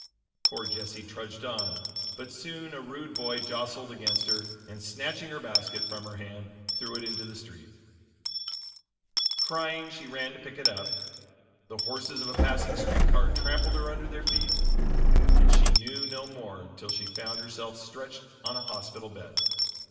Poor Jessie trudged on, but soon a rude boy jostled against her, and snatching her basket from her hand, threw it into the street. Crying, she ran to pick it up. The horses of a passing street car trampled her under their feet and she knew no more till she found herself stretched on a hospital bed.